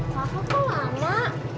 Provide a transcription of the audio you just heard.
bapak kok lama